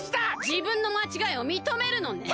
じぶんのまちがいをみとめるのね？